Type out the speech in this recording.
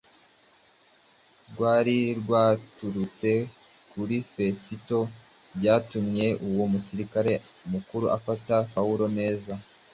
rwari rwaturutse kuri Fesito byatumye uwo musirikare mukuru afata Pawulo neza